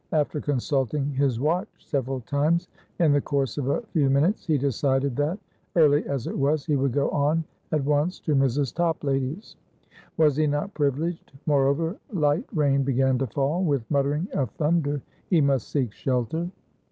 After consulting his watch several times in the course of a few minutes, he decided that, early as it was, he would go on at once to Mrs. Toplady's. Was he not privileged? Moreover, light rain began to fall, with muttering of thunder: he must seek shelter.